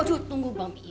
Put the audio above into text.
aduh tunggu bang